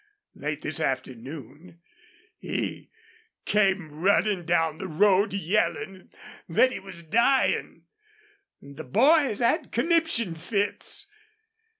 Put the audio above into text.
Late this afternoon he came runnin' down the road, yellin' thet he was dyin'. The boys had conniption fits.